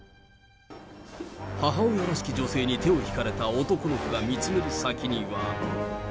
母親らしき女性に手を引かれた男の子が見つめる先には。